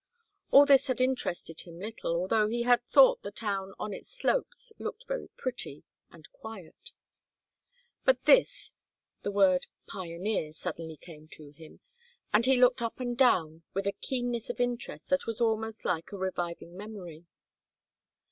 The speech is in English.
All this had interested him little, although he had thought the town on its slopes looked very pretty and quiet; but this the word "pioneer" suddenly came to him, and he looked up and down with a keenness of interest that was almost like a reviving memory.